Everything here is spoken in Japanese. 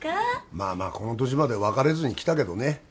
まあまあこの年まで別れずにきたけどね